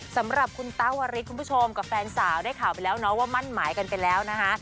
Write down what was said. สำหรับคุณต้าวริสคุณผู้ชมกับแฟนสาวได้ข่าวไปแล้วเนาะว่ามั่นหมายกันไปแล้วนะคะ